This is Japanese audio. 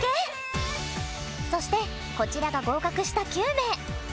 そしてこちらが合格した９名。